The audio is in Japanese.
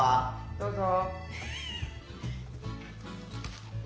・どうぞ。